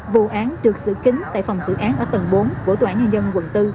vụ án được xử kính tại phòng dự án ở tầng bốn của tòa án nhân dân quận bốn